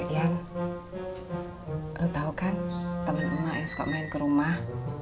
ian lo tau kan temen emak yang suka main ke rumah